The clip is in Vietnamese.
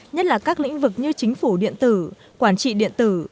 nhất là các lĩnh vực như chính phủ điện tử quản trị điện tử